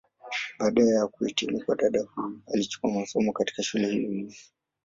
Baada ya kuhitimu kwa dada huyu alichukua masomo, katika shule hiyo hiyo.